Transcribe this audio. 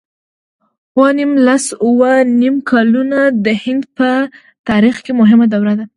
اووه نېم لس اووه نېم کلونه د هند په تاریخ کې مهمه دوره ده.